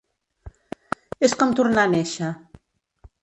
És com tornar a néixer.